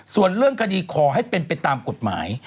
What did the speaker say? ส่วนเรื่องคดีขอให้เป็นไปตามกฎหมาย